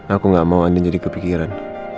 aku gak mau anda jadi kepikiran